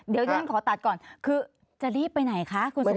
เดี๋ยวยังงั้นขอตัดก่อนคือจะรีบไปไหนคะคุณสุภัทพฤษฐ์